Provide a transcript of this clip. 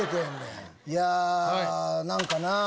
いや何かな。